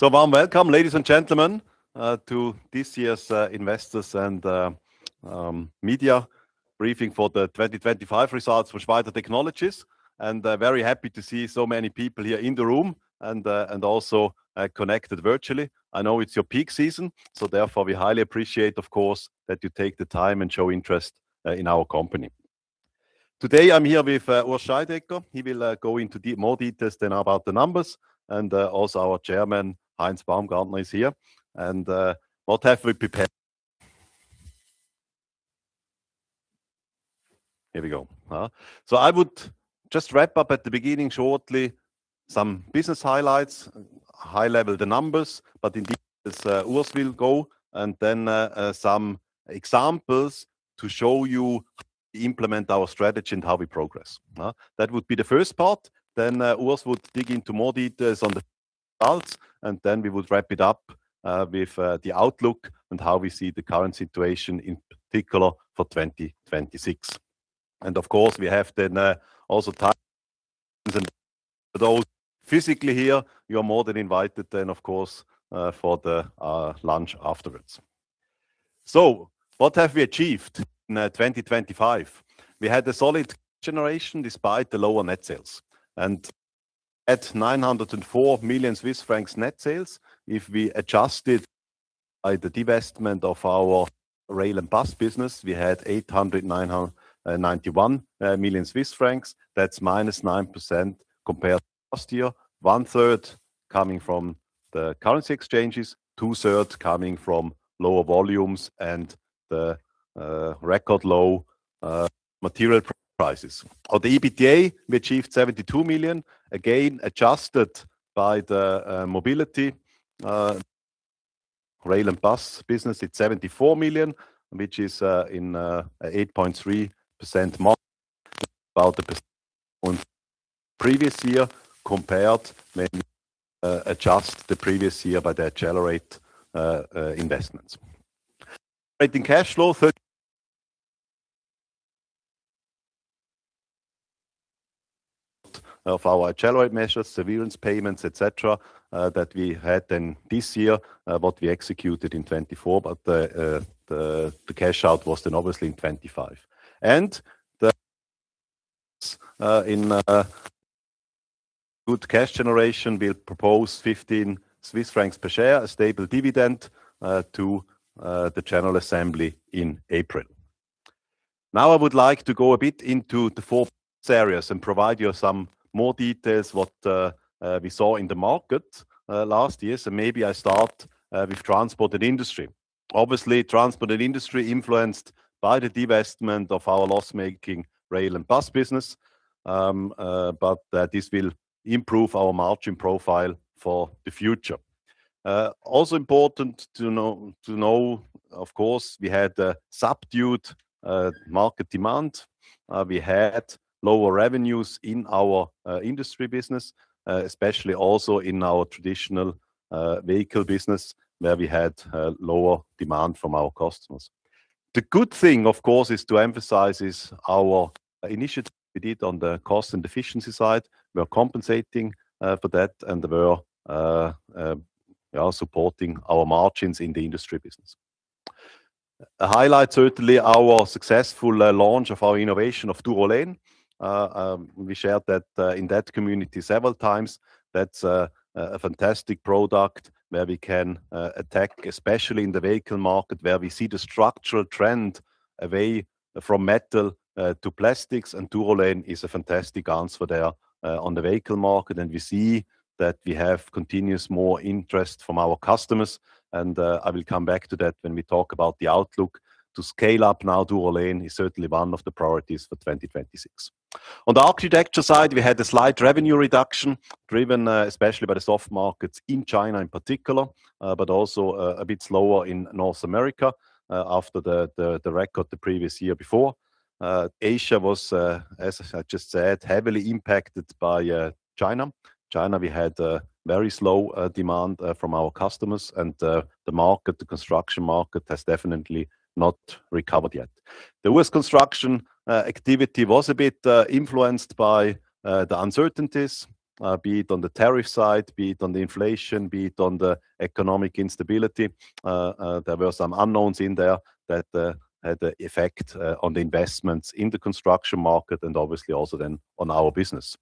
Warm welcome, ladies and gentlemen, to this year's investors and media briefing for the 2025 results for Schweiter Technologies. Very happy to see so many people here in the room and also connected virtually. I know it's your peak season, so therefore, we highly appreciate, of course, that you take the time and show interest in our company. Today, I'm here with Urs Scheidegger. He will go into more details about the numbers, and also our Chairman, Heinz Baumgartner, is here. What have we prepared? Here we go. I would just wrap up at the beginning, shortly, some business highlights, high-level, the numbers, but in details, Urs will go, and then some examples to show you implement our strategy and how we progress. That would be the first part. Then Urs would dig into more details on the results, and then we would wrap it up with the outlook and how we see the current situation, in particular, for 2026. Of course, we have then also time for those physically here, you're more than invited then, of course, for the lunch afterwards. What have we achieved in 2025? We had a solid generation despite the lower net sales, and at 904 million Swiss francs net sales, if we adjusted by the divestment of our Bus & Rail business, we had 891 million Swiss francs. That's -9% compared to last year. One third coming from the currency exchanges, 2/3 coming from lower volumes and the record low material prices. For the EBITDA, we achieved 72 million, again, adjusted by the (Mobility) Bus & Rail business. It's 74 million, which is in 8.3% more about the previous year, compared when you adjust the previous year by the Accelerate investments. Operating cash flow, of our general measures, severance payments, et cetera, that we had then this year, what we executed in 2024, but the cash out was then obviously in 2025. In good cash generation, we propose 15 Swiss francs per share, a stable dividend, to the General Assembly in April. I would like to go a bit into the four areas and provide you some more details what we saw in the market last year. Maybe I start with Transport & Industry. Obviously, Transport & Industry influenced by the divestment of our loss-making Bus & Rail business, but that this will improve our margin profile for the future. Also important to know, of course, we had a subdued market demand. We had lower revenues in our industry business, especially also in our traditional vehicle business, where we had lower demand from our customers. The good thing, of course, is to emphasize, is our initiative we did on the cost and efficiency side. We are compensating for that, and we are supporting our margins in the industry business. A highlight, certainly, our successful launch of our innovation of Durolen. We shared that in that community several times. That's a fantastic product where we can attack, especially in the vehicle market, where we see the structural trend away from metal to plastics, and Durolen is a fantastic answer there on the vehicle market, and we see that we have continuous more interest from our customers, and I will come back to that when we talk about the outlook. To scale up now, Durolen is certainly one of the priorities for 2026. On the Architecture side, we had a slight revenue reduction, driven especially by the soft markets in China in particular, but also a bit slower in North America after the record the previous year before. Asia was, as I just said, heavily impacted by China. China, we had very slow demand from our customers, and the market, the construction market, has definitely not recovered yet. The U.S. construction activity was a bit influenced by the uncertainties, be it on the tariff side, be it on the inflation, be it on the economic instability. There were some unknowns in there that had an effect on the investments in the construction market and obviously also then on our business.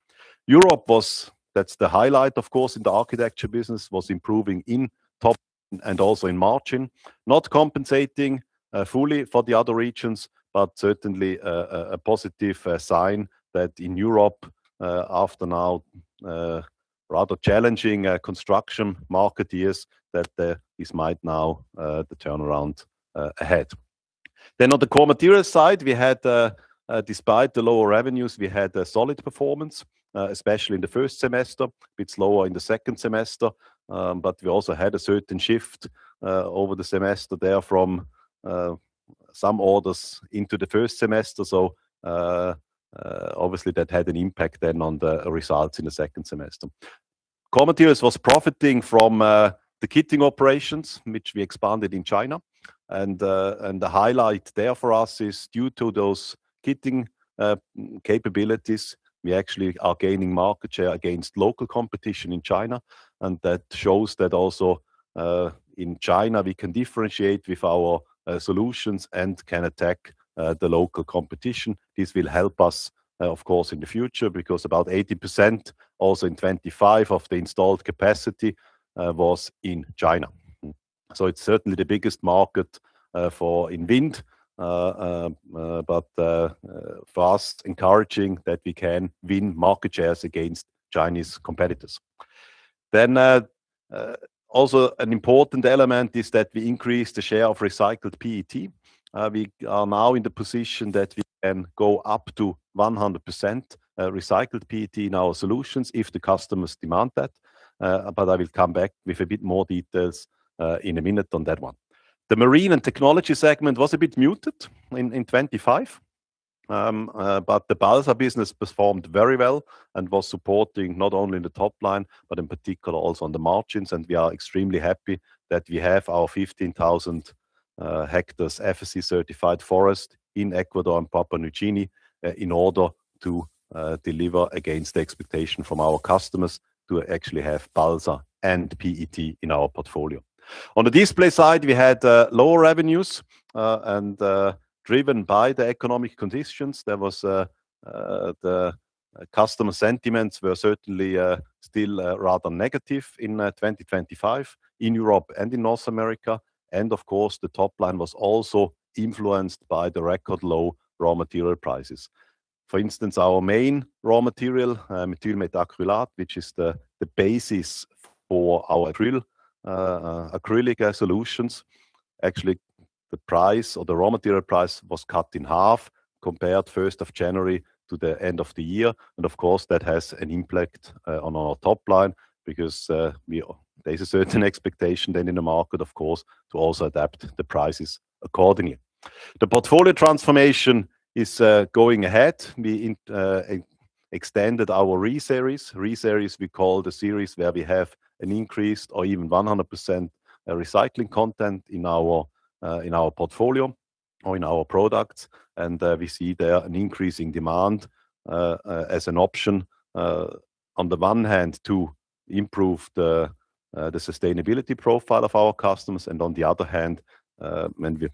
Europe was, that's the highlight, of course, in the Architecture business, was improving in top and also in margin. Not compensating fully for the other regions, but certainly a positive sign that in Europe, after now, rather challenging construction market years, this might now the turnaround ahead. On the Core Materials side, we had, despite the lower revenues, we had a solid performance, especially in the first semester. A bit slower in the second semester, but we also had a certain shift over the semester there from some orders into the first semester, obviously, that had an impact then on the results in the second semester. Core Materials was profiting from the kitting operations, which we expanded in China, and the highlight there for us is due to those kitting capabilities, we actually are gaining market share against local competition in China. That shows that also in China, we can differentiate with our solutions and can attack the local competition. This will help us, of course, in the future, because about 80%, also in 2025, of the installed capacity was in China. It's certainly the biggest market for in wind, but fast encouraging that we can win market shares against Chinese competitors. Also an important element is that we increase the share of recycled PET. We are now in the position that we can go up to 100% recycled PET in our solutions if the customers demand that. I will come back with a bit more details in a minute on that one. The marine and technology segment was a bit muted in 2025, but the balsa business performed very well and was supporting not only in the top line, but in particular, also on the margins. We are extremely happy that we have our 15,000 hectares FSC-certified forest in Ecuador and Papua New Guinea in order to deliver against the expectation from our customers to actually have balsa and PET in our portfolio. On the Display side, we had lower revenues, driven by the economic conditions, the customer sentiments were certainly still rather negative in 2025 in Europe and in North America. Of course, the top line was also influenced by the record-low raw material prices. For instance, our main raw material, methyl methacrylate, which is the basis for our acrylic solutions. Actually, the price or the raw material price was cut in half compared first of January to the end of the year. Of course, that has an impact on our top line because there's a certain expectation then in the market, of course, to also adapt the prices accordingly. The portfolio transformation is going ahead. We extended our Re series. Re series we call the series where we have an increased or even 100% recycling content in our portfolio or in our products. We see there an increasing demand as an option on the one hand, to improve the sustainability profile of our customers, and on the other hand, when we,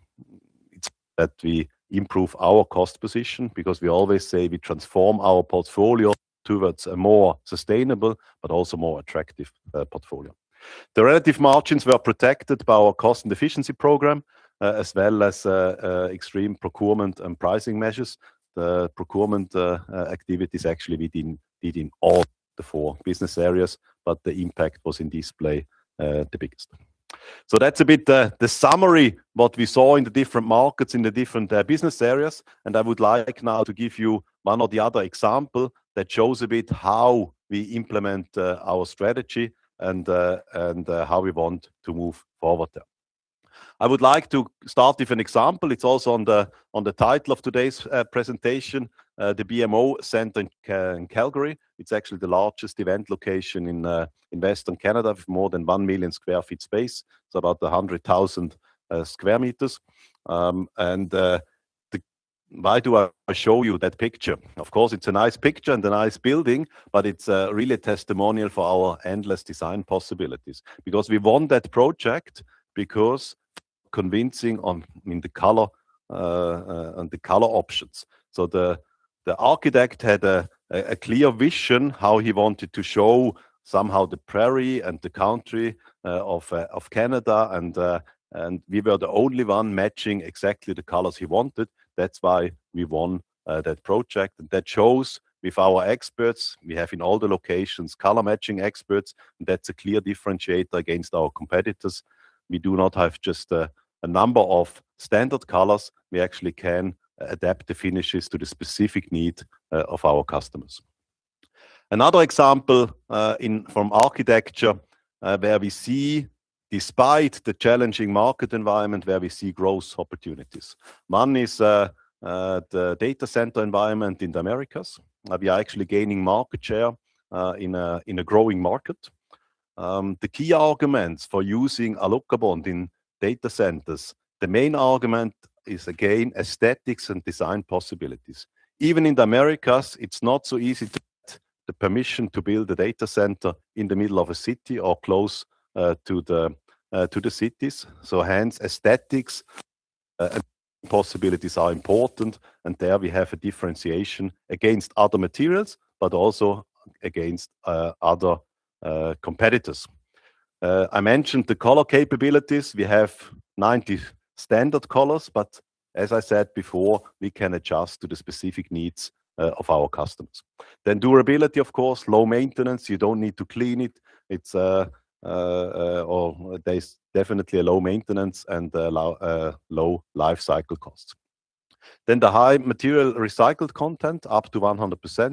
it's that we improve our cost position, because we always say we transform our portfolio towards a more sustainable but also more attractive portfolio. The relative margins were protected by our cost and efficiency program, as well as extreme procurement and pricing measures. The procurement activities, actually, we did in all the four business areas, but the impact was in Display, the biggest. That's a bit the summary, what we saw in the different markets, in the different business areas. I would like now to give you one or the other example, that shows a bit how we implement our strategy and how we want to move forward. I would like to start with an example. It's also on the, on the title of today's presentation, the BMO Centre in Calgary. It's actually the largest event location in Western Canada, with more than 1 million sq ft space, so about 100,000 square meters. Why do I show you that picture? Of course, it's a nice picture and a nice building, but it's really a testimonial for our endless design possibilities. We won that project, because convincing on, I mean, the color and the color options. The architect had a clear vision how he wanted to show somehow the prairie and the country of Canada, and we were the only one matching exactly the colors he wanted. That's why we won that project. That shows with our experts, we have in all the locations, color-matching experts. That's a clear differentiator against our competitors. We do not have just a number of standard colors. We actually can adapt the finishes to the specific needs of our customers. Another example, from Architecture, where we see, despite the challenging market environment, where we see growth opportunities. One is the data center environment in the Americas. We are actually gaining market share in a growing market. The key arguments for using ALUCOBOND in data centers, the main argument is, again, aesthetics and design possibilities. Even in the Americas, it's not so easy to get the permission to build a data center in the middle of a city or close to the cities. Hence, aesthetics possibilities are important, and there we have a differentiation against other materials, but also against other competitors. I mentioned the color capabilities. We have 90 standard colors, but as I said before, we can adjust to the specific needs of our customers. Durability, of course, low maintenance, you don't need to clean it. It's or there's definitely a low maintenance and low lifecycle cost. The high material recycled content, up to 100%,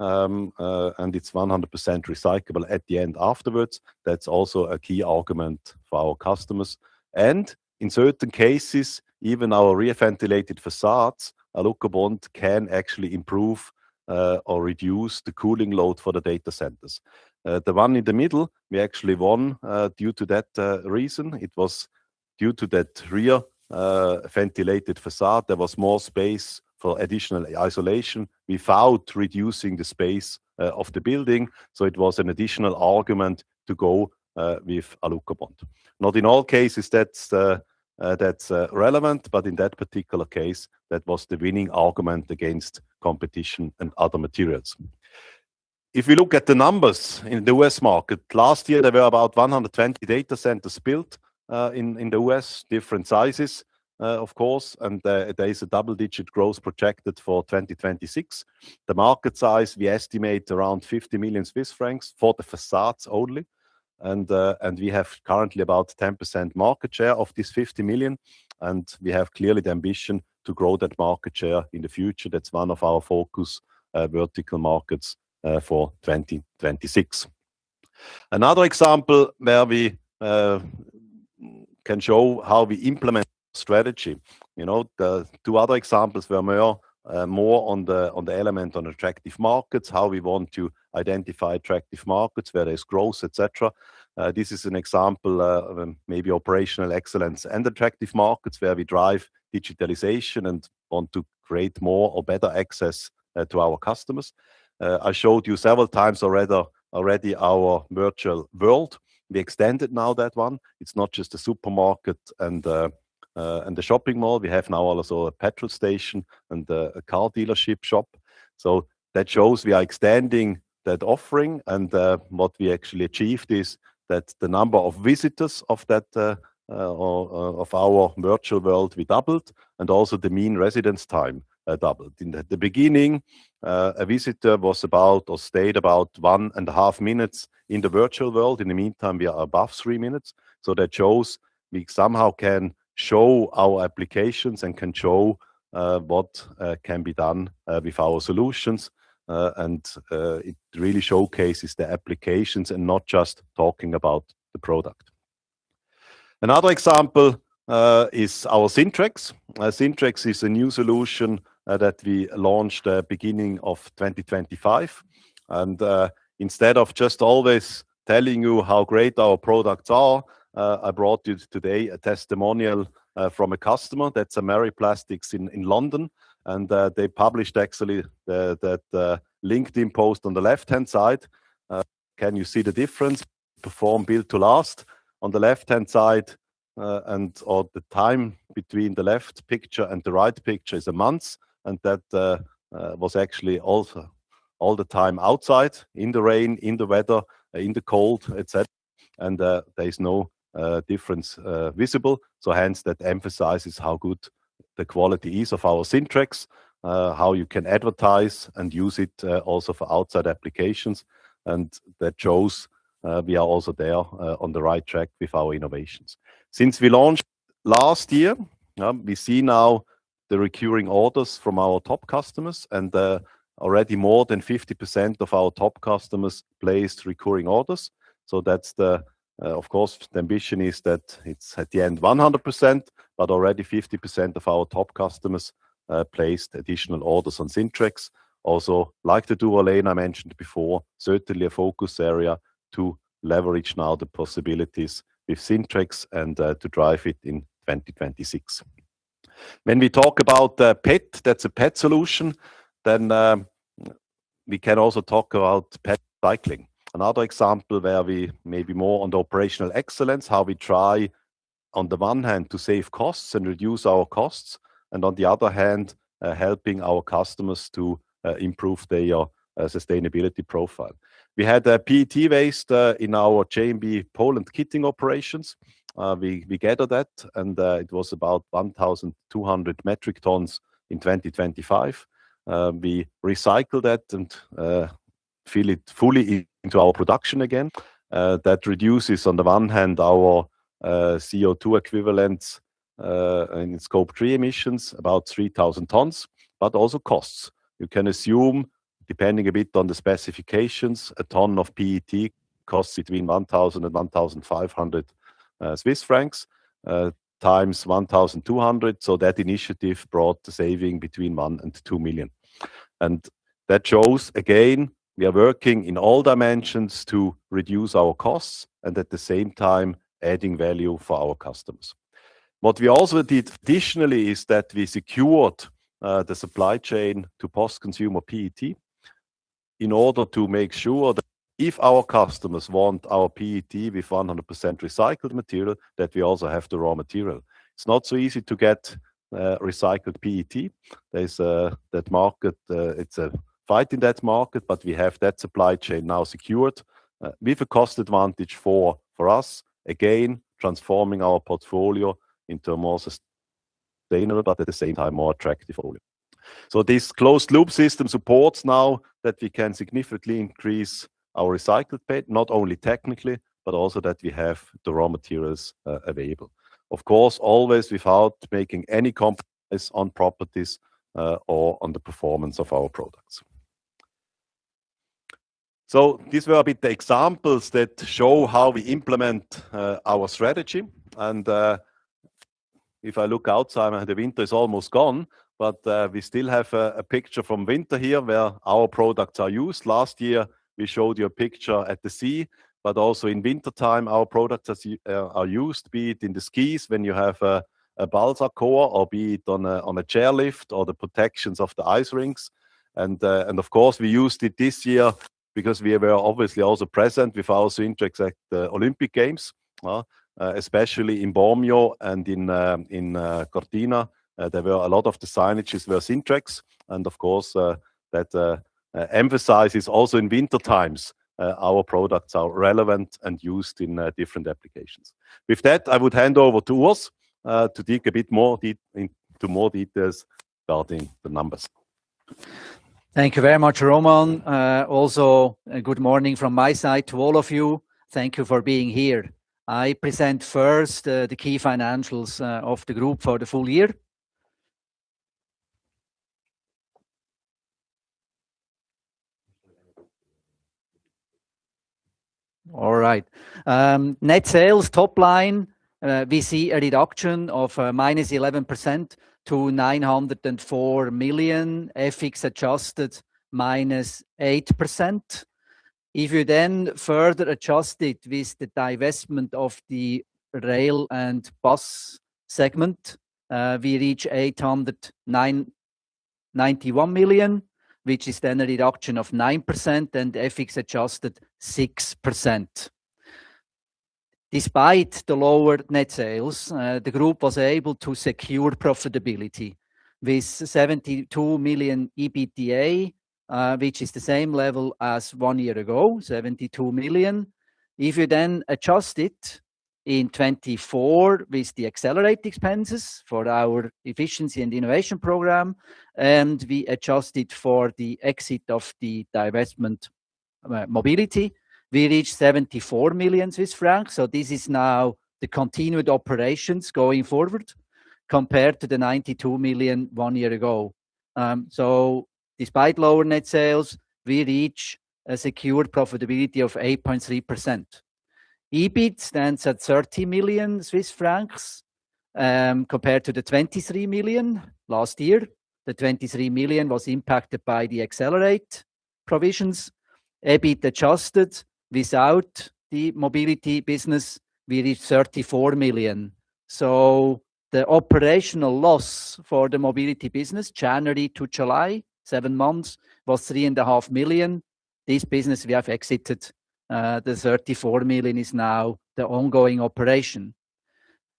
and it's 100% recyclable at the end afterwards. That's also a key argument for our customers, and in certain cases, even our rear-ventilated facades, ALUCOBOND can actually improve or reduce the cooling load for the data centers. The one in the middle, we actually won due to that reason. It was due to that rear-ventilated facade. There was more space for additional isolation without reducing the space of the building, so it was an additional argument to go with ALUCOBOND. Not in all cases that's relevant, but in that particular case, that was the winning argument against competition and other materials. If you look at the numbers in the U.S. market, last year, there were about 120 data centers built in the U.S. Different sizes, of course, and there is a double-digit growth projected for 2026. The market size, we estimate around 50 million Swiss francs for the facades only. We have currently about 10% market share of this 50 million, and we have clearly the ambition to grow that market share in the future. That's one of our focus vertical markets for 2026. Another example where we can show how we implement strategy. You know, the two other examples were more on the element, on attractive markets, how we want to identify attractive markets, where there is growth, et cetera. This is an example of maybe operational excellence and attractive markets, where we drive digitalization and want to create more or better access to our customers. I showed you several times already our virtual world. We extended now that one. It's not just a supermarket and a shopping mall. We have now also a petrol station and a car dealership shop. That shows we are extending that offering, and what we actually achieved is that the number of visitors of that of our virtual world, we doubled, and also the mean residence time doubled. In the beginning, a visitor was about or stayed about one and a half minutes in the virtual world. In the meantime, we are above 3 minutes, that shows we somehow can show our applications and can show what can be done with our solutions. It really showcases the applications and not just talking about the product. Another example is our Sintra. Sintra is a new solution that we launched at the beginning of 2025. Instead of just always telling you how great our products are, I brought you today a testimonial from a customer, that's Ameri Plastics in London, and they published actually, that LinkedIn post on the left-hand side. Can you see the difference? Perform, built to last. On the left-hand side. The time between the left picture and the right picture is a month, and that was actually also all the time outside, in the rain, in the weather, in the cold, et cetera, and there is no difference visible. Hence, that emphasizes how good the quality is of our Sintra, how you can advertise and use it also for outside applications. That shows we are also there on the right track with our innovations. Since we launched last year, we see now the recurring orders from our top customers, and already more than 50% of our top customers placed recurring orders. Of course, the ambition is that it's at the end 100%, but already 50% of our top customers placed additional orders on Sintra. Like the dual lane I mentioned before, certainly a focus area to leverage now the possibilities with Sintra and to drive it in 2026. When we talk about PET, that's a PET solution, then we can also talk about PET recycling. Another example where we may be more on the operational excellence, how we try, on the one hand, to save costs and reduce our costs, and on the other hand, helping our customers to improve their sustainability profile. We had a PET waste in our JMB Poland kitting operations. We gathered that, and it was about 1,200 metric tons in 2025. We recycled that and fill it fully into our production again. That reduces, on the one hand, our CO2 equivalents and scope three emissions, about 3,000 tons, but also costs. You can assume, depending a bit on the specifications, a ton of PET costs between 1,000-1,500 Swiss francs times 1,200. That initiative brought the saving between 1 million-2 million. That shows, again, we are working in all dimensions to reduce our costs and at the same time adding value for our customers. What we also did additionally is that we secured the supply chain to post-consumer PET in order to make sure that if our customers want our PET with 100% recycled material, that we also have the raw material. It's not so easy to get recycled PET. There's that market, it's a fight in that market, but we have that supply chain now secured with a cost advantage for us, again, transforming our portfolio into a more sustainable, but at the same time, more attractive volume. This closed-loop system supports now that we can significantly increase our recycled PET, not only technically, but also that we have the raw materials available. Of course, always without making any compromise on properties or on the performance of our products... These were a bit the examples that show how we implement our strategy. If I look outside, the winter is almost gone, but we still have a picture from winter here where our products are used. Last year, we showed you a picture at the sea, but also in wintertime, our products are used, be it in the skis when you have a balsa core, or be it on a chairlift, or the protections of the ice rinks. Of course, we used it this year because we were obviously also present with our Sintra at the Olympic Games, especially in Bormio and in Cortina. There were a lot of the signages were Sintra, and of course, that emphasizes also in winter times, our products are relevant and used in different applications. With that, I would hand over to Urs to dig a bit more into more details regarding the numbers. Thank you very much, Roman. Good morning from my side to all of you. Thank you for being here. I present first the key financials of the group for the full year. All right. Net sales top line, we see a reduction of -11% to 904 million, FX adjusted, -8%. If you then further adjust it with the divestment of the Bus & Rail segment, we reach 891 million, which is then a reduction of 9%, and FX adjusted, 6%. Despite the lower net sales, the group was able to secure profitability with 72 million EBITDA, which is the same level as one year ago, 72 million. If you adjust it in 2024 with the Accelerate expenses for our efficiency and innovation program, and we adjust it for the exit of the divestment, mobility, we reach 74 million Swiss francs. This is now the continued operations going forward compared to the 92 million one year ago. Despite lower net sales, we reach a secured profitability of 8.3%. EBIT stands at 30 million Swiss francs, compared to the 23 million last year. The 23 million was impacted by the Accelerate provisions. EBIT adjusted without the mobility business, we reached 34 million. The operational loss for the mobility business, January to July, 7 months, was 3.5 million. This business, we have exited. The 34 million is now the ongoing operation.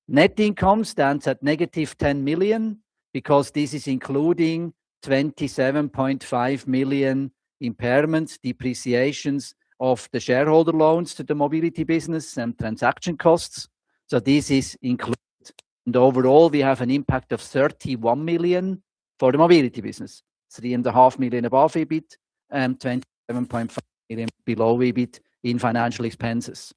Net income stands at -10 million because this is including 27.5 million impairments, depreciations of the shareholder loans to the mobility business, and transaction costs. This is included. Overall, we have an impact of 31 million for the mobility business, 3.5 million above EBIT, and 27.5 million below EBIT in financial expenses.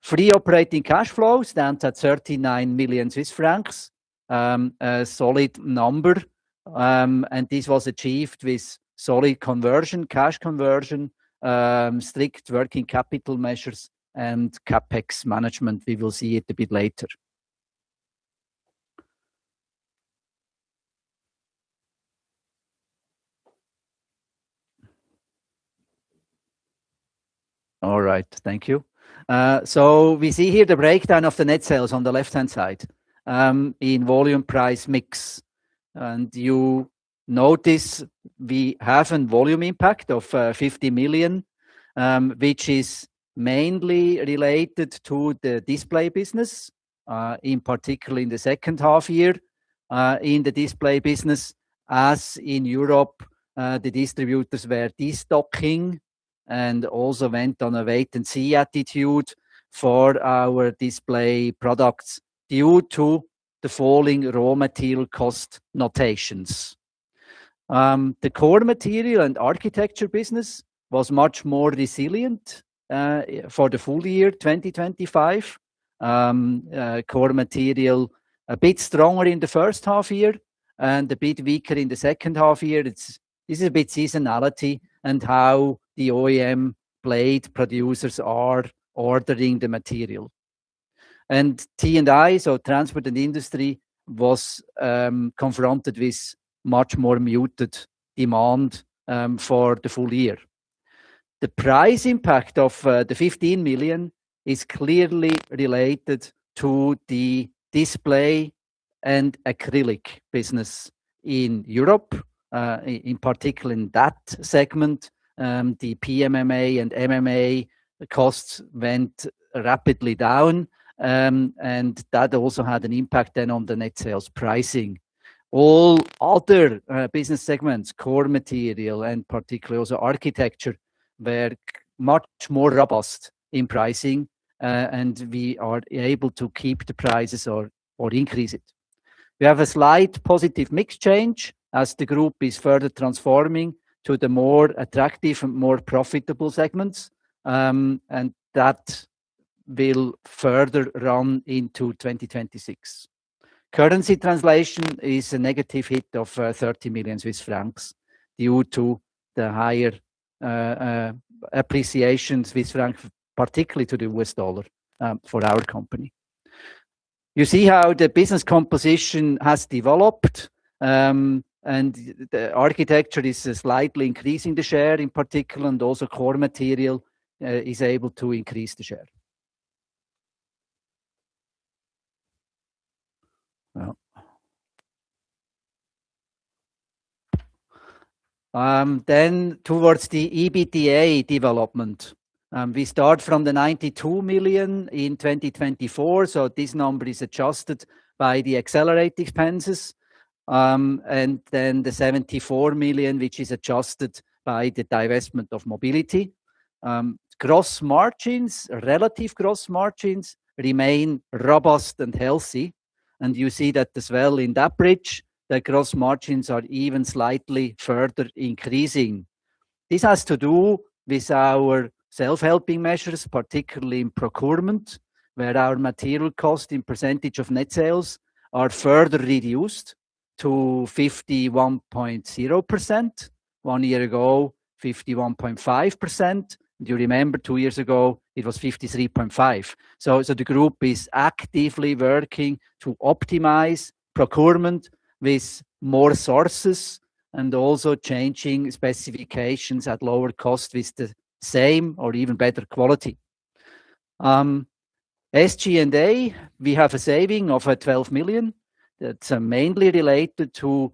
Free Operating Cash Flow stands at 39 million Swiss francs, a solid number, and this was achieved with solid conversion, cash conversion, strict working capital measures, and CapEx management. We will see it a bit later. All right, thank you. We see here the breakdown of the net sales on the left-hand side, in volume price mix. You notice we have a volume impact of 50 million, which is mainly related to the Display business, in particular in the second half year. In the Display business, as in Europe, the distributors were destocking and also went on a wait-and-see attitude for our Display products due to the falling raw material cost notations. The Core Materials and Architecture business was much more resilient for the full year 2025. Core Materials, a bit stronger in the first half year and a bit weaker in the second half year. This is a bit seasonality and how the OEM blade producers are ordering the material. T&I, so Transport & Industry, was confronted with much more muted demand for the full year. The price impact of 15 million is clearly related to the Display and acrylic business in Europe. In particular, in that segment, the PMMA and MMA costs went rapidly down, and that also had an impact then on the net sales pricing. All other business segments, Core Materials, and particularly also Architecture, were much more robust in pricing, and we are able to keep the prices or increase it. We have a slight positive mix change as the group is further transforming to the more attractive and more profitable segments. That will further run into 2026. Currency translation is a negative hit of 30 million Swiss francs due to the higher appreciation Swiss franc, particularly to the U.S. dollar, for our company. You see how the business composition has developed, and the Architecture is slightly increasing the share in particular, and also Core Materials is able to increase the share. Now, towards the EBITDA development. We start from the 92 million in 2024, so this number is adjusted by the Accelerate expenses. The 74 million, which is adjusted by the divestment of Mobility. Gross margins, relative gross margins remain robust and healthy. You see that as well in that bridge, the gross margins are even slightly further increasing. This has to do with our self-helping measures, particularly in procurement, where our material cost in percentage of net sales are further reduced to 51.0%. 1 year ago, 51.5%. You remember, 2 years ago, it was 53.5%. The group is actively working to optimize procurement with more sources and also changing specifications at lower cost with the same or even better quality. SG&A, we have a saving of 12 million. That's mainly related to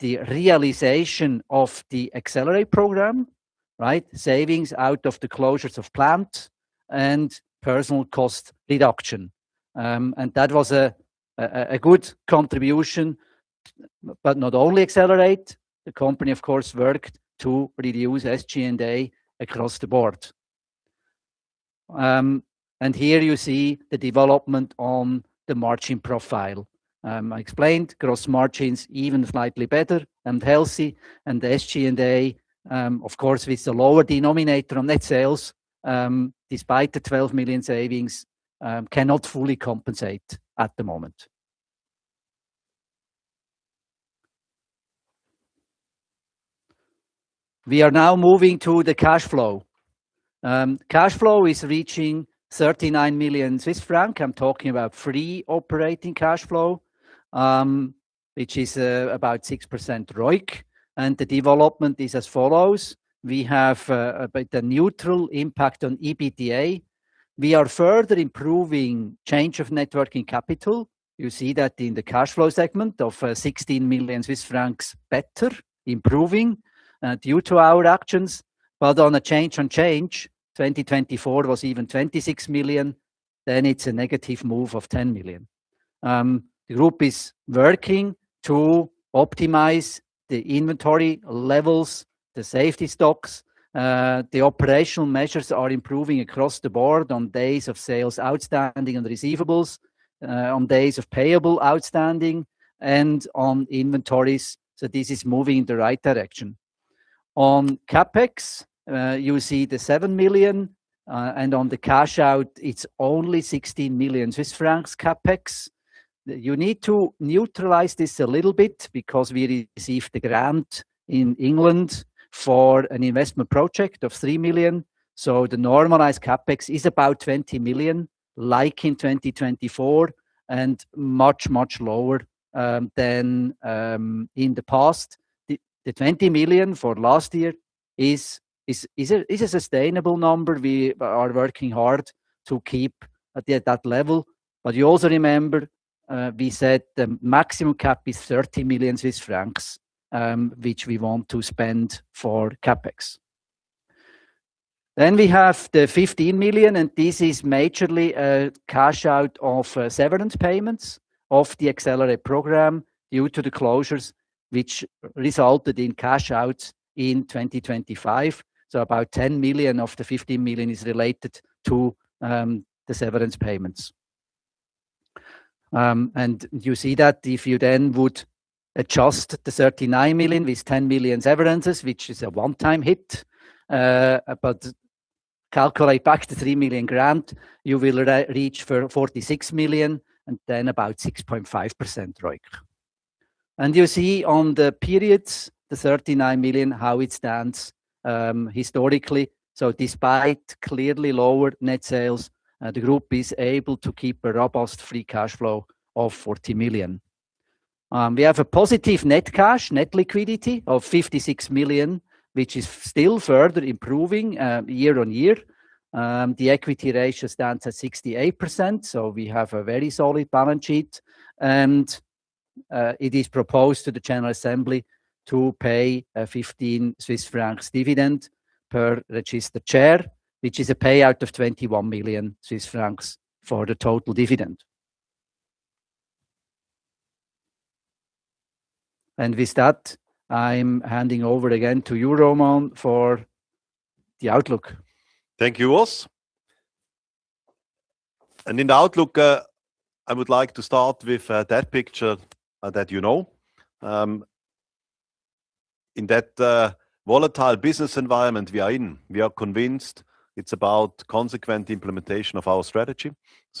the realization of the Accelerate program, right? Savings out of the closures of plant and personal cost reduction. That was a good contribution, but not only Accelerate, the company, of course, worked to reduce SG&A across the board. Here you see the development on the margin profile. I explained gross margins even slightly better and healthy, the SG&A, of course, with the lower denominator on net sales, despite the 12 million savings, cannot fully compensate at the moment. We are now moving to the cash flow. Cash flow is reaching 39 million Swiss francs. I'm talking about Free Operating Cash Flow, which is about 6% ROIC, the development is as follows: We have about a neutral impact on EBITDA. We are further improving change of net working capital. You see that in the cash flow segment of 16 million Swiss francs, better, improving due to our actions. On a change on change, 2024 was even 26 million, it's a negative move of 10 million. The group is working to optimize the inventory levels, the safety stocks. The operational measures are improving across the board on Days of Sales Outstanding and receivables, on Days of Payable Outstanding, and on inventories. This is moving in the right direction. On CapEx, you see the 7 million, on the cash out, it's only 16 million Swiss francs CapEx. You need to neutralize this a little bit because we received a grant in England for an investment project of 3 million. The normalized CapEx is about 20 million, like in 2024, and much, much lower than in the past. The 20 million for last year is a sustainable number. We are working hard to keep at that level. You also remember, we said the maximum cap is 30 million Swiss francs, which we want to spend for CapEx. We have the 15 million, and this is majorly a cash out of severance payments of the Accelerate program due to the closures, which resulted in cash outs in 2025. About 10 million of the 15 million is related to the severance payments. You see that if you would adjust the 39 million with 10 million severances, which is a one-time hit, but calculate back the 3 million grant, you will reach for 46 million, and about 6.5% ROIC. You see on the periods, the 39 million, how it stands historically. Despite clearly lower net sales, the group is able to keep a robust free cash flow of 40 million. We have a positive net cash, net liquidity of 56 million, which is still further improving year-on-year. The equity ratio stands at 68%, so we have a very solid balance sheet, and it is proposed to the General Assembly to pay a 15 Swiss francs dividend per registered share, which is a payout of 21 million Swiss francs for the total dividend. With that, I'm handing over again to you, Roman, for the outlook. Thank you, Urs. In the outlook, I would like to start with, that picture, that you know. In that volatile business environment we are in, we are convinced it's about consequent implementation of our strategy.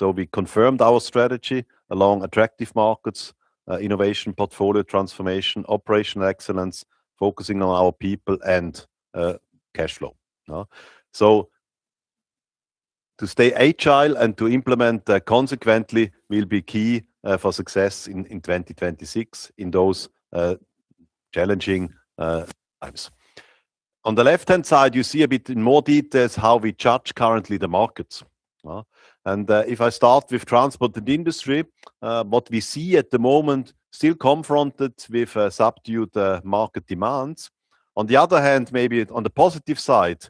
We confirmed our strategy along attractive markets, innovation, portfolio transformation, operational excellence, focusing on our people and cash flow. To stay agile and to implement consequently, will be key for success in 2026 in those challenging times. On the left-hand side, you see a bit in more details how we judge currently the markets. If I start with Transport & Industry, what we see at the moment, still confronted with subdued market demands. On the other hand, maybe on the positive side,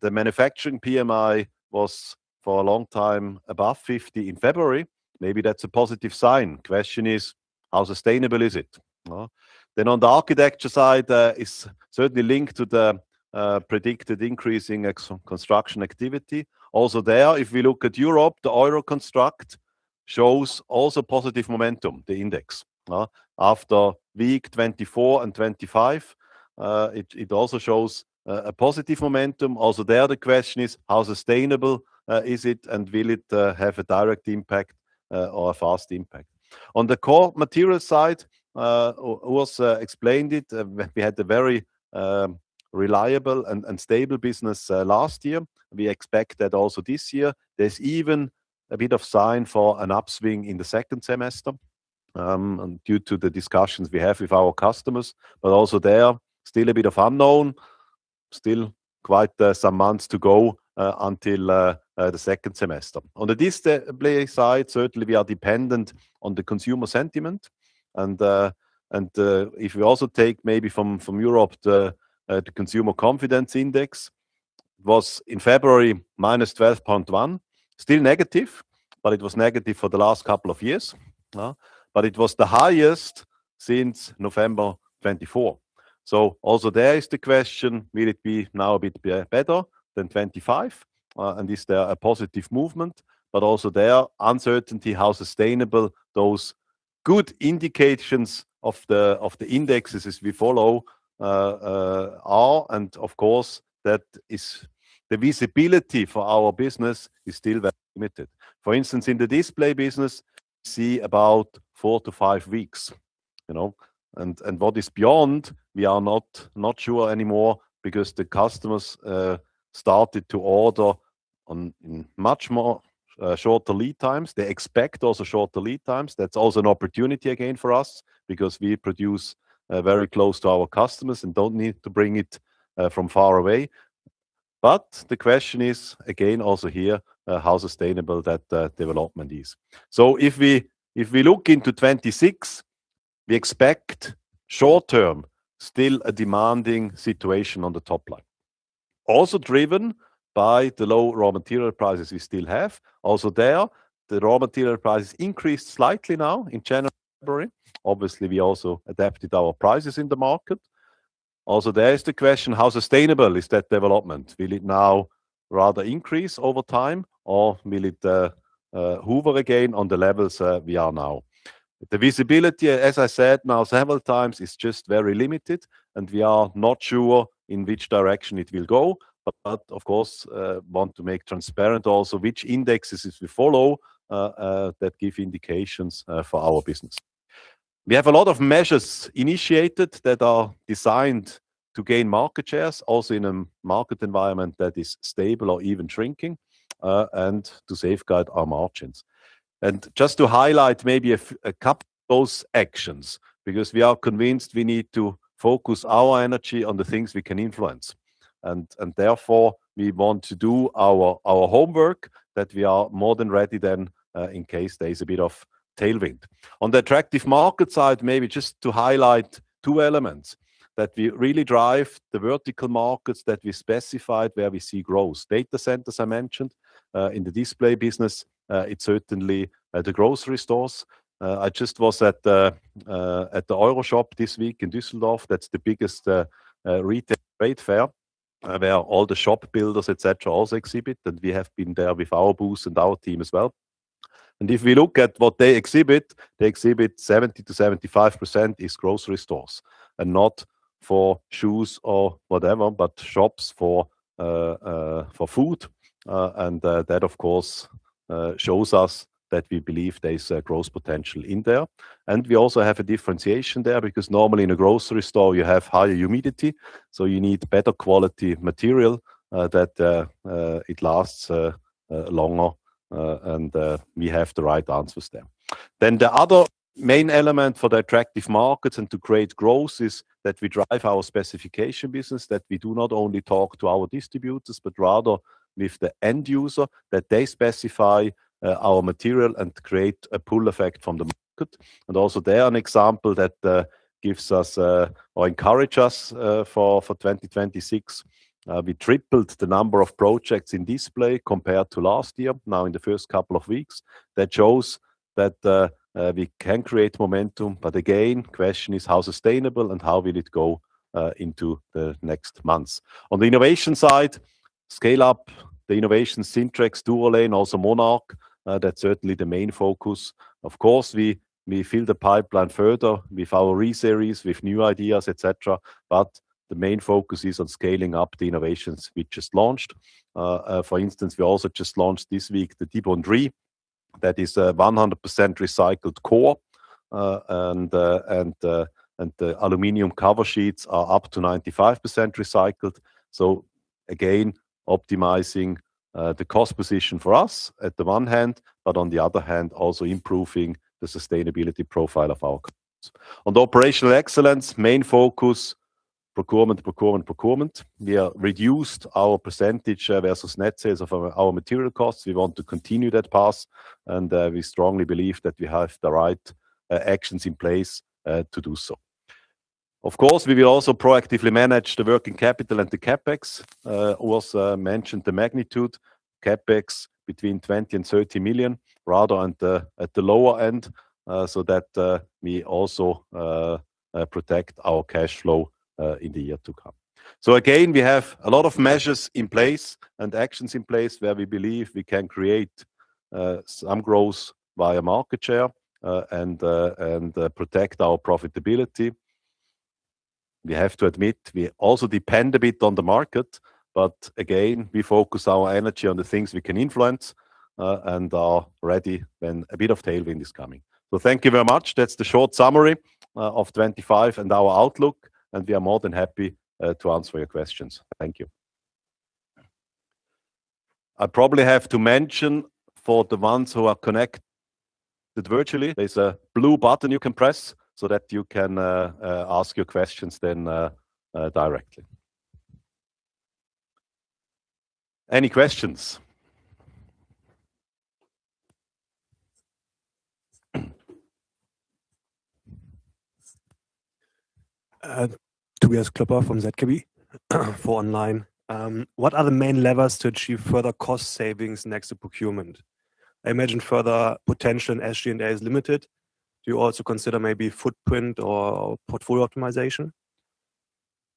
the manufacturing PMI was, for a long time, above 50 in February. Maybe that's a positive sign. Question is, how sustainable is it? On the Architecture side, is certainly linked to the predicted increase in construction activity. Also there, if we look at Europe, the EUROCONSTRUCT shows also positive momentum, the index. After week 24 and 25, it also shows a positive momentum. Also there, the question is, how sustainable is it, and will it have a direct impact or a fast impact? On the Core Materials side, Uls explained it, we had a very reliable and stable business last year. We expect that also this year. There's even a bit of sign for an upswing in the second semester due to the discussions we have with our customers, also there, still a bit of unknown, still quite some months to go until the second semester. On the Display side, certainly, we are dependent on the consumer sentiment, if we also take maybe from Europe, the Consumer Confidence Index, was in February, -12.1. Still negative, it was negative for the last couple of years, but it was the highest since November 2024. Also there is the question, will it be now a bit better than 2025? Is there a positive movement? Also there, uncertainty, how sustainable those good indications of the indexes as we follow are, and of course, the visibility for our business is still very limited. For instance, in the Display business, we see about 4-5 weeks, you know? What is beyond, we are not sure anymore because the customers started to order in much more shorter lead times. They expect also shorter lead times. That's also an opportunity again for us, because we produce very close to our customers and don't need to bring it from far away. The question is, again, also here, how sustainable that development is. If we look into 2026, we expect short term, still a demanding situation on the top line. Also driven by the low raw material prices we still have. Also there, the raw material prices increased slightly now in January, February. Obviously, we also adapted our prices in the market. Also, there is the question, how sustainable is that development? Will it now rather increase over time, or will it hover again on the levels we are now? The visibility, as I said now several times, is just very limited, and we are not sure in which direction it will go, but of course, want to make transparent also which indexes we follow that give indications for our business. We have a lot of measures initiated that are designed to gain market shares, also in a market environment that is stable or even shrinking and to safeguard our margins. Just to highlight maybe a couple of those actions, because we are convinced we need to focus our energy on the things we can influence, and therefore, we want to do our homework, that we are more than ready then, in case there is a bit of tailwind. On the attractive market side, maybe just to highlight two elements that we really drive the vertical markets that we specified, where we see growth. Data centers, I mentioned. In the Display business, it's certainly the grocery stores. I just was at the EuroShop this week in Düsseldorf. That's the biggest retail trade fair, where all the shop builders, et cetera, also exhibit, and we have been there with our booths and our team as well. If we look at what they exhibit, they exhibit 70-75% is grocery stores, and not for shoes or whatever, but shops for food. That, of course, shows us that we believe there is a growth potential in there. We also have a differentiation there, because normally in a grocery store, you have higher humidity, so you need better quality material that it lasts longer, and we have the right answers there. The other main element for the attractive markets and to create growth is that we drive our specification business, that we do not only talk to our distributors, but rather with the end user, that they specify our material and create a pull effect from the market. There an example that gives us or encourage us for 2026. We tripled the number of projects in Display compared to last year, now in the first couple of weeks. That shows that we can create momentum, but again, question is how sustainable and how will it go into the next months? On the innovation side, scale up the innovation Sintra, Durolen, also MONARK. That's certainly the main focus. Of course, we fill the pipeline further with our research, with new ideas, et cetera, but the main focus is on scaling up the innovations we just launched. For instance, we also just launched this week, the Dibond. That is a 100% recycled core, and the aluminum cover sheets are up to 95% recycled. Again, optimizing the cost position for us at the one hand, but on the other hand, also improving the sustainability profile of our cars. Operational excellence, main focus, procurement, procurement. We have reduced our percentage versus net sales of our material costs. We want to continue that path, and we strongly believe that we have the right actions in place to do so. Of course, we will also proactively manage the working capital and the CapEx. Also, mention the magnitude CapEx between 20 million and 30 million, rather at the lower end, so that we also protect our cash flow in the year to come. Again, we have a lot of measures in place and actions in place where we believe we can create some growth via market share and protect our profitability. We have to admit, we also depend a bit on the market, but again, we focus our energy on the things we can influence and are ready when a bit of tailwind is coming. Thank you very much. That's the short summary of 25 and our outlook, and we are more than happy to answer your questions. Thank you. I probably have to mention for the ones who are connected virtually, there's a blue button you can press, so that you can ask your questions then directly. Any questions? Tobias Klöpper from ZKB, for online. What are the main levers to achieve further cost savings next to procurement? I imagine further potential as SG&A is limited. Do you also consider maybe footprint or portfolio optimization?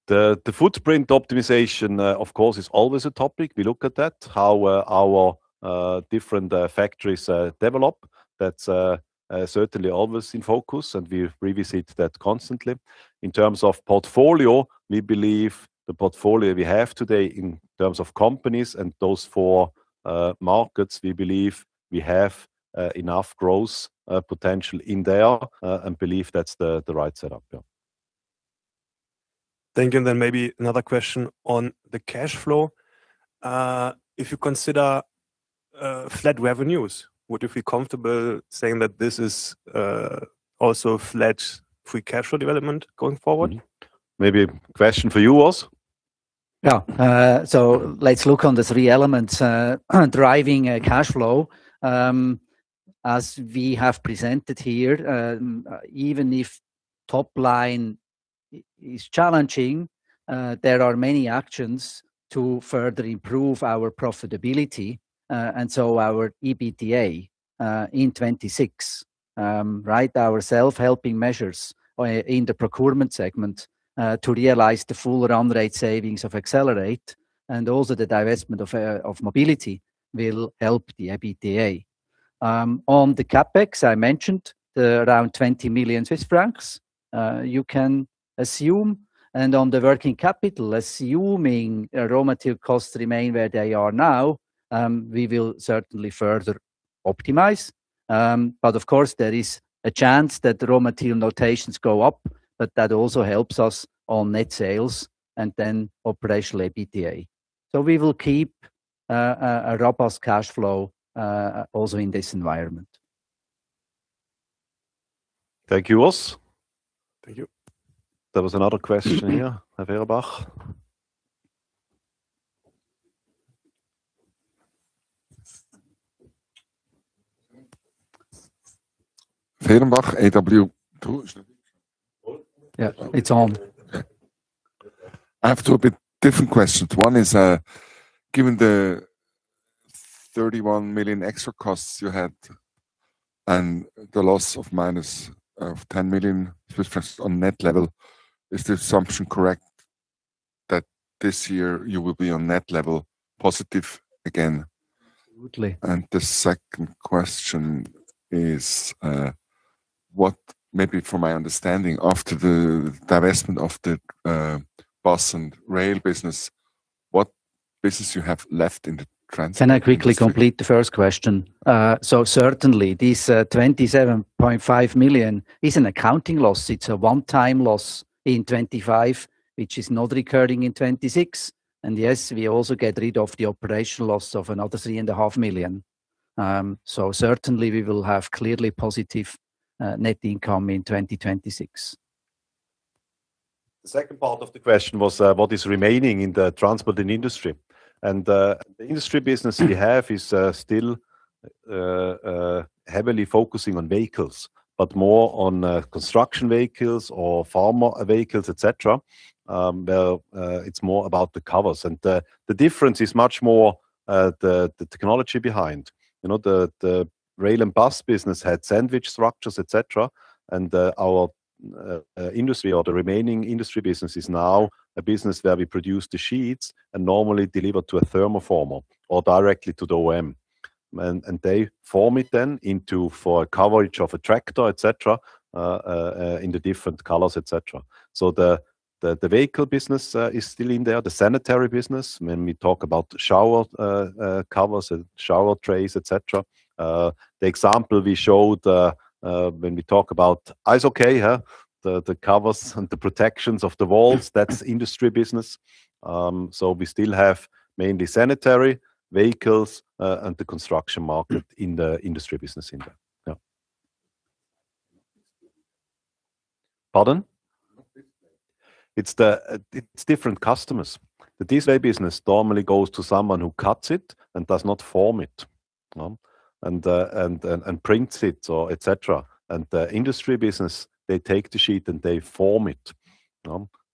The footprint optimization, of course, is always a topic. We look at that, how our different factories develop. That's certainly always in focus. We revisit that constantly. In terms of portfolio, we believe the portfolio we have today, in terms of companies and those four markets, we believe we have enough growth potential in there and believe that's the right setup. Yeah. Thank you. Maybe another question on the cash flow. If you consider flat revenues, would you feel comfortable saying that this is also flat free cash flow development going forward? Mm-hmm. Maybe a question for you, Urs? Yeah. Let's look on the three elements driving cash flow. As we have presented here, even if top line is challenging, there are many actions to further improve our profitability, and our EBITDA in 2026, right? Our self-helping measures in the procurement segment to realize the full run rate savings of Accelerate, and also the divestment of mobility, will help the EBITDA. On the CapEx, I mentioned the around 20 million Swiss francs you can assume, and on the working capital, assuming raw material costs remain where they are now, we will certainly further optimize. Of course, there is a chance that raw material notations go up, that also helps us on net sales and then operational EBITDA. We will keep a robust cash flow, also in this environment. Thank you, Urs. Thank you. There was another question here, Herr Fehrenbach. Fehrenbach, AW two, is it? Yeah, it's on. I have two. A bit different questions. One is, given the 31 million extra costs you had and the loss of minus of 10 million Swiss francs on net level, is the assumption correct, that this year you will be on net level positive again? Absolutely. The second question is, maybe from my understanding, after the divestment of the Bus & Rail business, what business do you have left in the transit? Can I quickly complete the first question? Certainly, this 27.5 million CHF is an accounting loss. It's a one-time loss in 2025, which is not recurring in 2026. Yes, we also get rid of the operational loss of another 3.5 million CHF. Certainly, we will have clearly positive net income in 2026. The second part of the question was, what is remaining in the Transport & Industry? The industry business we have is still heavily focusing on vehicles, but more on construction vehicles or farmer vehicles, et cetera. Well, it's more about the covers, and the difference is much more the technology behind. You know, the Bus & Rail business had sandwich structures, et cetera, and our industry or the remaining industry business is now a business where we produce the sheets and normally deliver to a thermoformer or directly to the OEM. They form it then into for a coverage of a tractor, et cetera, in the different colors, et cetera. The vehicle business is still in there. The sanitary business, when we talk about shower covers and shower trays, et cetera. The example we showed when we talk about eyes, okay? The covers and the protections of the walls, that's industry business. So we still have mainly sanitary, vehicles and the construction market in the industry business in there. Yeah. Pardon? It's different customers. The Display business normally goes to someone who cuts it and does not form it, and prints it or et cetera. The industry business, they take the sheet and they form it.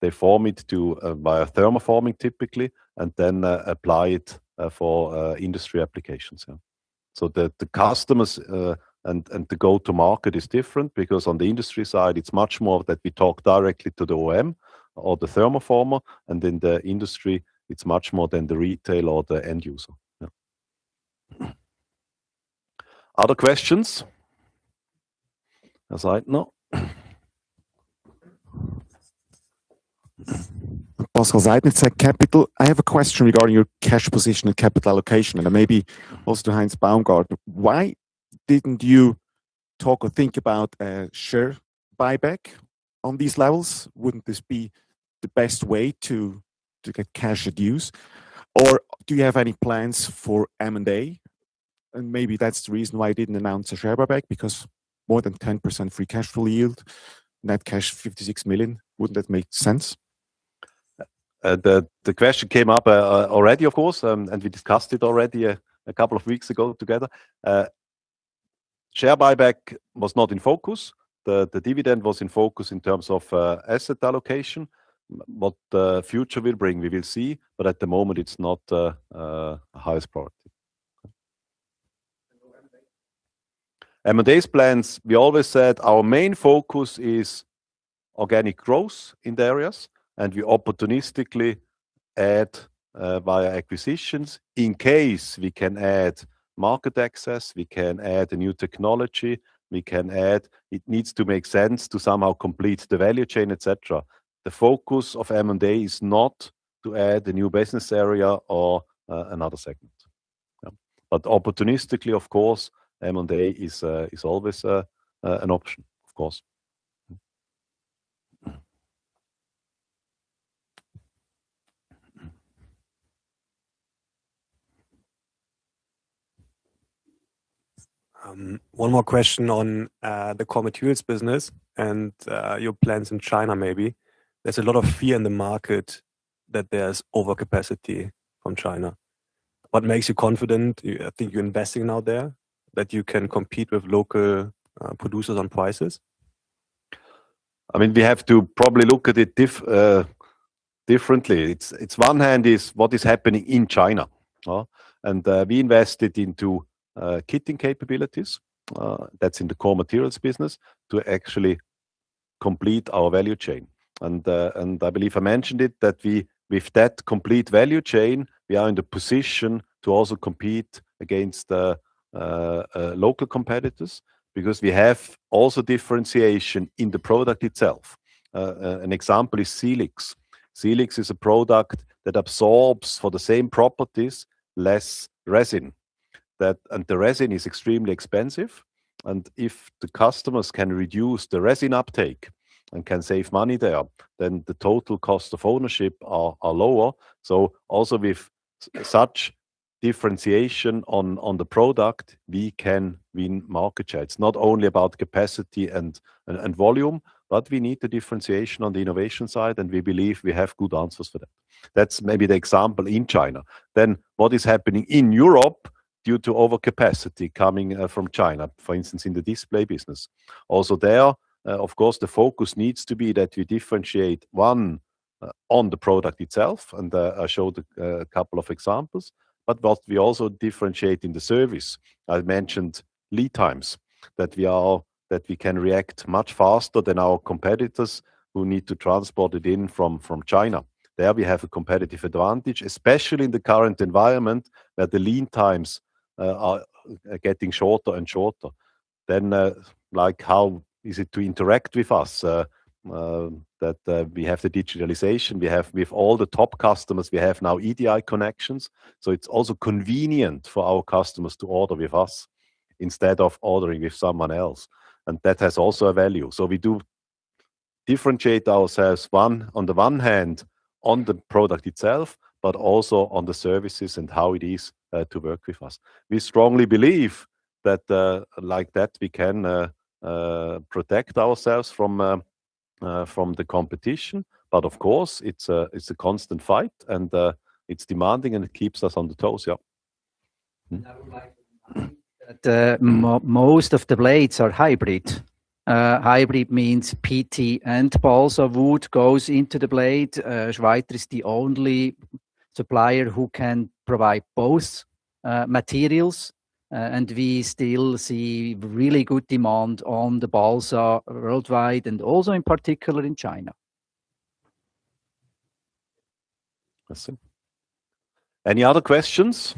They form it to via thermoforming typically, and then apply it for industry applications, yeah. The customers and the go-to-market is different, because on the industry side, it's much more that we talk directly to the OEM or the thermoformer, and then the industry, it's much more than the retail or the end user. Yeah. Other questions? As I know. Pascal Seidner, zCapital AG. I have a question regarding your cash position and capital allocation, and maybe also to Heinz Baumgartner. Why didn't you talk or think about a share buyback on these levels? Wouldn't this be the best way to get cash reduce? Or do you have any plans for M&A? Maybe that's the reason why you didn't announce a share buyback, because more than 10% free cash flow yield, net cash, 56 million. Wouldn't that make sense? The question came up already, of course. We discussed it already a couple of weeks ago together. Share buyback was not in focus. The dividend was in focus in terms of asset allocation. What the future will bring, we will see, at the moment, it's not highest priority. M&A? M&A's plans, we always said our main focus is organic growth in the areas, we opportunistically add via acquisitions. In case we can add market access, we can add a new technology, we can add. It needs to make sense to somehow complete the value chain, et cetera. The focus of M&A is not to add a new business area or another segment. Opportunistically, of course, M&A is always an option, of course. One more question on the Core Materials business and your plans in China, maybe. There's a lot of fear in the market that there's overcapacity from China. What makes you confident that you're investing out there, that you can compete with local producers on prices? I mean, we have to probably look at it differently. It's one hand is what is happening in China. We invested into kitting capabilities, that's in the Core Materials business, to actually complete our value chain. I believe I mentioned it, that with that complete value chain, we are in the position to also compete against the local competitors, because we have also differentiation in the product itself. An example is Celix. Celix is a product that absorbs, for the same properties, less resin. That, and the resin is extremely expensive, and if the customers can reduce the resin uptake and can save money there, then the total cost of ownership are lower. Also with such differentiation on the product, we can win market share. It's not only about capacity and volume, but we need the differentiation on the innovation side, and we believe we have good answers for that. That's maybe the example in China. What is happening in Europe due to overcapacity coming from China, for instance, in the Display business? Also there, of course, the focus needs to be that you differentiate, one on the product itself, and I showed a couple of examples, but what we also differentiate in the service. I mentioned lead times, that we can react much faster than our competitors who need to transport it in from China. There, we have a competitive advantage, especially in the current environment, that the lead times are getting shorter and shorter. Like, how easy is it to interact with us? That we have the digitalization, we have all the top customers, we have now EDI connections. It's also convenient for our customers to order with us, instead of ordering with someone else, and that has also a value. We do differentiate ourselves on the one hand, on the product itself, but also on the services and how it is to work with us. We strongly believe that, like that, we can protect ourselves from the competition. Of course, it's a constant fight, and it's demanding, and it keeps us on the toes. I would like to add that most of the blades are hybrid. Hybrid means PT and balsa wood goes into the blade. Schweiter is the only supplier who can provide both materials, and we still see really good demand on the balsa worldwide, and also in particular in China. I see. Any other questions?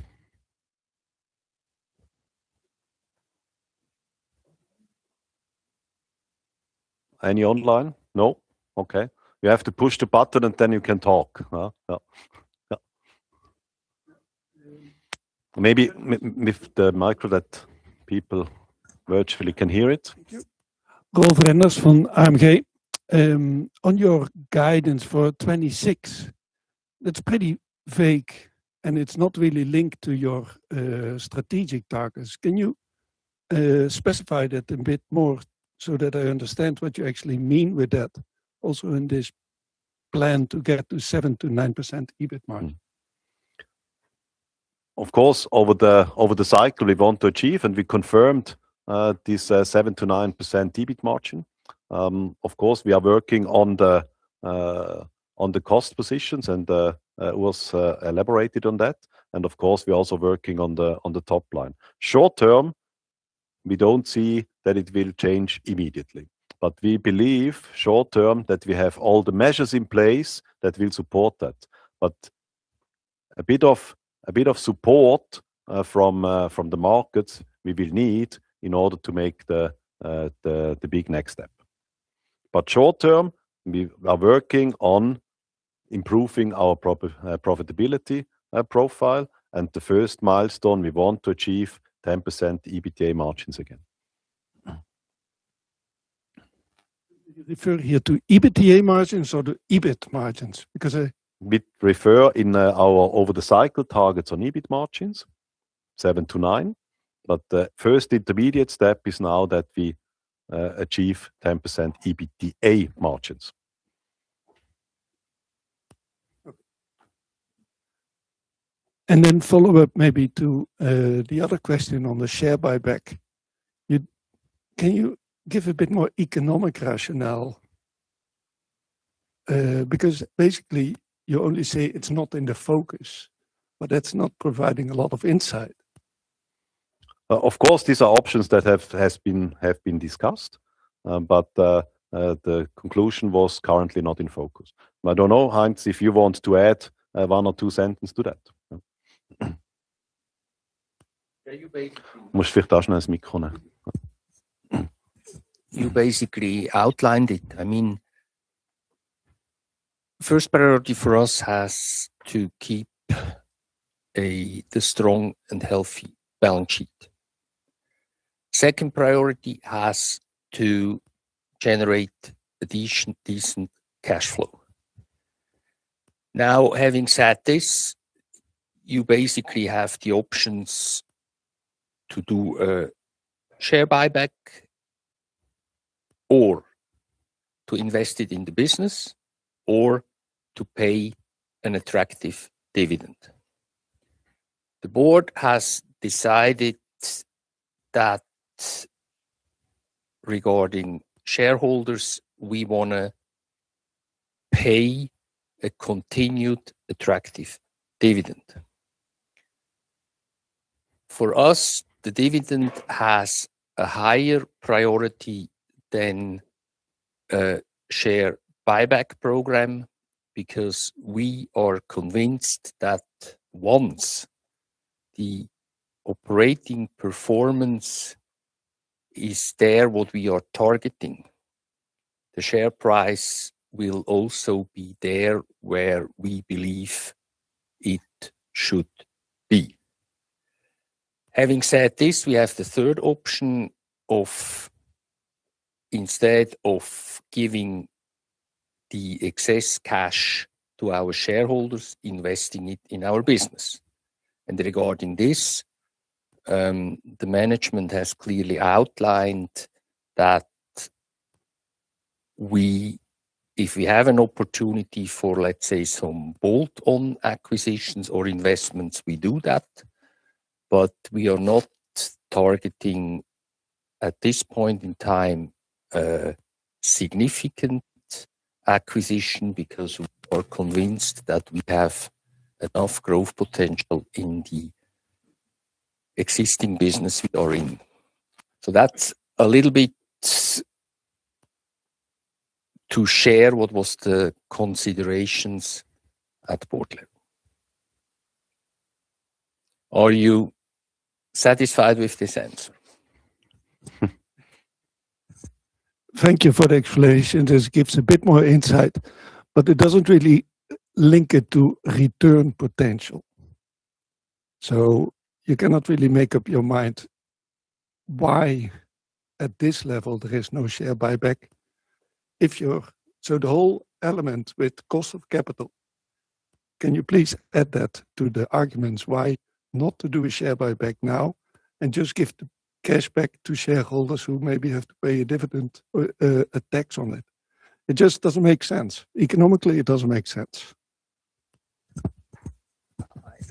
Any online? No. Okay. You have to push the button, and then you can talk, huh? Yeah. Maybe lift the micro that people virtually can hear it. Thank you. Goorenders from AMH. On your guidance for 2026, that's pretty vague, and it's not really linked to your strategic targets. Can you specify that a bit more so that I understand what you actually mean with that? Also, in this plan to get to 7%-9% EBIT margin. Of course, over the cycle, we want to achieve, and we confirmed, this 7%-9% EBIT margin. Of course, we are working on the cost positions, and it was elaborated on that. Of course, we're also working on the top line. Short term, we don't see that it will change immediately, but we believe short term, that we have all the measures in place that will support that. A bit of support from the markets we will need in order to make the big next step. Short term, we are working on improving our profitability profile, and the first milestone, we want to achieve 10% EBITDA margins again. Mm-hmm. You refer here to EBITDA margins or the EBIT margins? Because We refer in our over the cycle targets on EBIT margins, 7%-9%. The first intermediate step is now that we achieve 10% EBITDA margins. Okay. Follow up maybe to the other question on the share buyback. Can you give a bit more economic rationale? because basically, you only say it's not in the focus, but that's not providing a lot of insight. Of course, these are options that have been discussed, but the conclusion was currently not in focus. I don't know, Heinz, if you want to add, one or two sentence to that. Yeah, you. Must fix those nice mic on it. You basically outlined it. I mean, first priority for us has to keep a strong and healthy balance sheet. Second priority has to generate decent cash flow. Having said this, you basically have the options to do a share buyback, or to invest it in the business, or to pay an attractive dividend. The board has decided that regarding shareholders, we wanna pay a continued attractive dividend. For us, the dividend has a higher priority than a share buyback program because we are convinced that once the operating performance is there, what we are targeting, the share price will also be there, where we believe it should be. Having said this, we have the third option of instead of giving the excess cash to our shareholders, investing it in our business. Regarding this, the management has clearly outlined that if we have an opportunity for, let's say, some bolt-on acquisitions or investments, we do that, but we are not targeting, at this point in time, significant acquisition because we are convinced that we have enough growth potential in the existing business we are in. That's a little bit to share what was the considerations at board level. Are you satisfied with this answer? Thank you for the explanation. This gives a bit more insight, but it doesn't really link it to return potential. You cannot really make up your mind why, at this level, there is no share buyback. The whole element with cost of capital, can you please add that to the arguments why not to do a share buyback now and just give the cash back to shareholders who maybe have to pay a dividend or a tax on it? It just doesn't make sense. Economically, it doesn't make sense.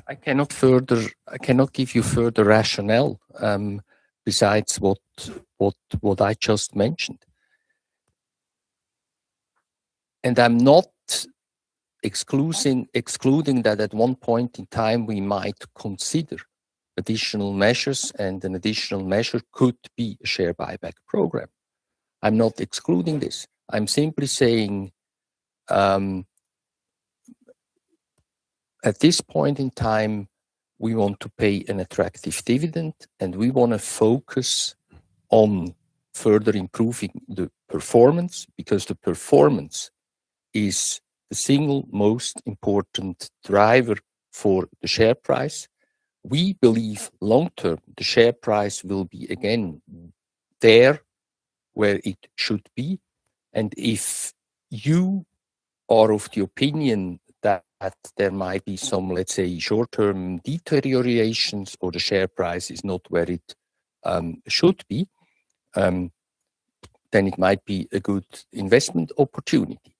I cannot give you further rationale besides what I just mentioned. I'm not excluding that at one point in time, we might consider additional measures, and an additional measure could be a share buyback program.... I'm not excluding this. I'm simply saying, at this point in time, we want to pay an attractive dividend, and we wanna focus on further improving the performance, because the performance is the single most important driver for the share price. We believe long-term, the share price will be again there where it should be, and if you are of the opinion that there might be some, let's say, short-term deteriorations, or the share price is not where it should be, then it might be a good investment opportunity.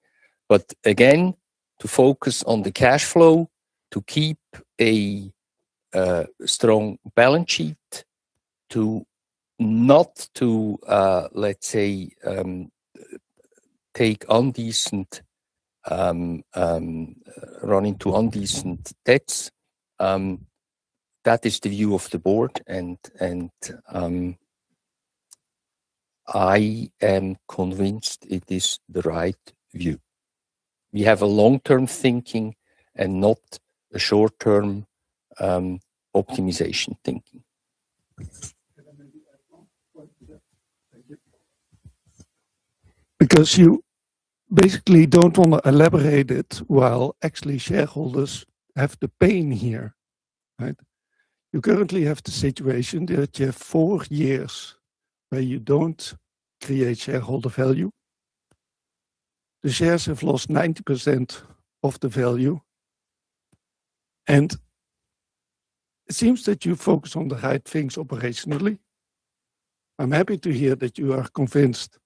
Again, to focus on the cash flow, to keep a strong balance sheet, to not, let's say, run into indecent debts, that is the view of the board, and I am convinced it is the right view. We have a long-term thinking and not a short-term optimization thinking. You basically don't wanna elaborate it, while actually shareholders have the pain here, right? You currently have the situation that you have four years where you don't create shareholder value. The shares have lost 90% of the value, and it seems that you focus on the right things operationally. I'm happy to hear that you are convinced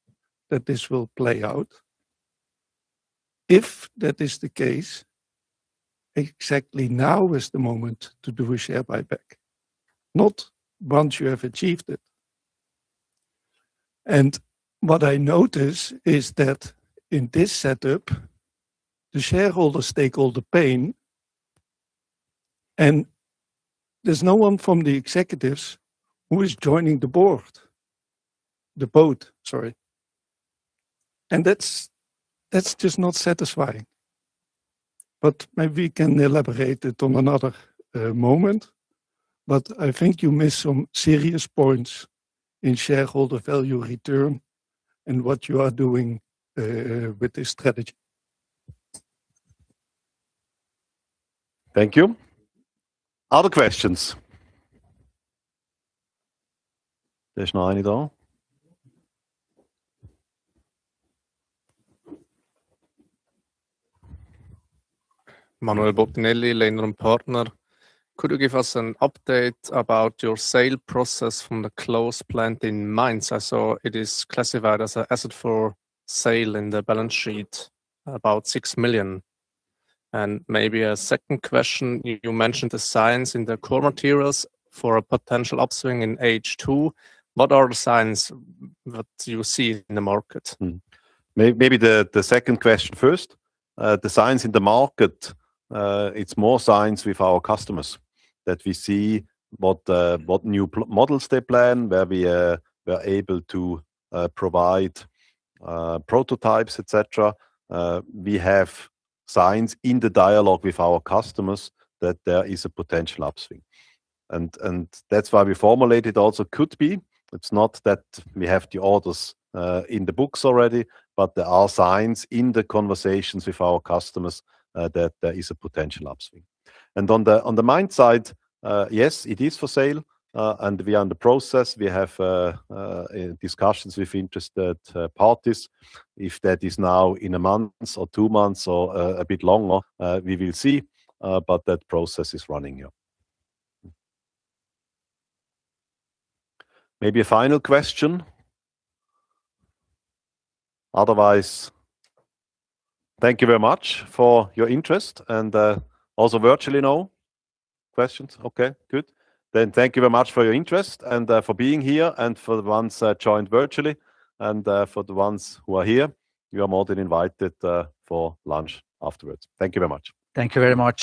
that this will play out. If that is the case, exactly now is the moment to do a share buyback, not once you have achieved it. What I notice is that in this setup, the shareholders take all the pain, and there's no one from the executives who is joining the boat, sorry. That's just not satisfying. Maybe we can elaborate it on another moment, but I think you missed some serious points in shareholder value return and what you are doing with this strategy. Thank you. Other questions? There's no any though. Manuel Bortolotti, Lennard Partner. Could you give us an update about your sale process from the closed plant in Mainz? I saw it is classified as an asset for sale in the balance sheet, about 6 million. Maybe a second question, you mentioned the signs in the Core Materials for a potential upswing in H2. What are the signs that you see in the market? Maybe the second question first. The signs in the market, it's more signs with our customers, that we see what new models they plan, where we're able to provide prototypes, et cetera. We have signs in the dialogue with our customers that there is a potential upswing, and that's why we formulated also could be. It's not that we have the orders in the books already, but there are signs in the conversations with our customers that there is a potential upswing. On the Mainz side, yes, it is for sale, and we are in the process. We have discussions with interested parties. If that is now in a month or two months, or, a bit longer, we will see, but that process is running, yeah. Maybe a final question? Otherwise, thank you very much for your interest and, also virtually, no questions? Okay, good. Thank you very much for your interest and, for being here, and for the ones that joined virtually, and, for the ones who are here, you are more than invited, for lunch afterwards. Thank you very much. Thank you very much.